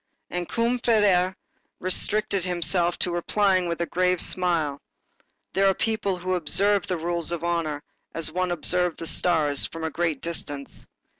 And Combeferre restricted himself to replying with a grave smile. "There are people who observe the rules of honor as one observes the stars, from a great distance."